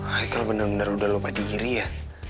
haikal bener bener udah lupa diri ya